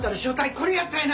これやったんやな！